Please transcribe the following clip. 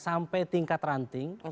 sampai tingkat ranting